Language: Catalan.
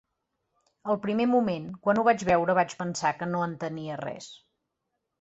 Al primer moment, quan ho vaig veure vaig pensar que no entenia res.